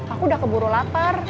aku udah keburu lapar